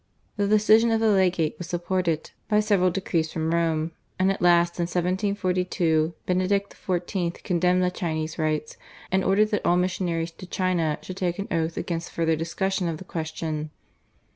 The decision of the legate was supported by several decrees from Rome, and at last in 1742 Benedict XIV. condemned the Chinese Rites, and ordered that all missionaries to China should take an oath against further discussion of the question.